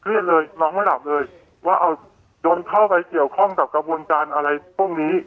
เครียดเลยน้องมาถามเลยว่าเอาโดนเข้าไปเกี่ยวข้องกับกระบวนจันทร์อะไรตรงนี้